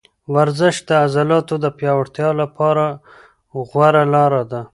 ورزش د عضلاتو د پیاوړتیا لپاره غوره لاره ده.